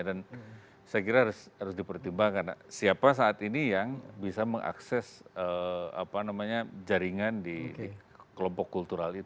dan saya kira harus dipertimbangkan siapa saat ini yang bisa mengakses jaringan di kelompok kultural itu